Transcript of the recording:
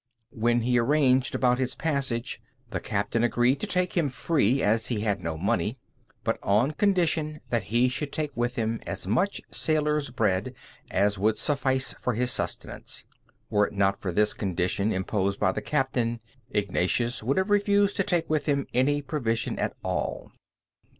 When he arranged about his passage, the captain agreed to take him free, as he had no money; but on condition that he should take with him as much sailors' bread as would suffice for his sustenance. Were it not for this condition imposed by the captain, Ignatius would have refused to take with him any provision at all.